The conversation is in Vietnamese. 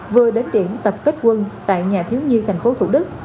vừa đến điểm tập kết quân tại nhà thiếu nhi thành phố thủ đức